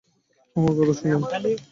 আমার কথা শোনেন।